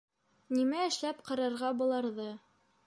Нимә әшләп ҡарарға быларҙы?